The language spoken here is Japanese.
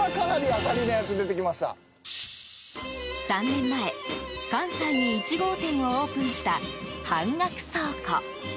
３年前、関西に１号店をオープンした半額倉庫。